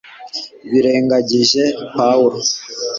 birengagije pawulo